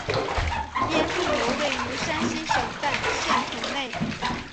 边靖楼位于山西省代县城内。